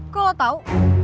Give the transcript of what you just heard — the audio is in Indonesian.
kok lo tau